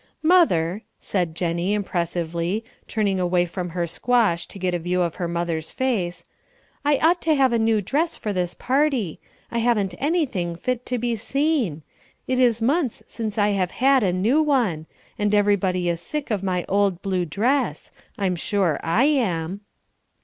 "Mother," said Jennie, impressively, turning away from her squash to get a view of her mother's face, "I ought to have a new dress for this party. I haven't anything fit to be seen. It is months since I have had a new one; and everybody is sick of my old blue dress; I'm sure I am."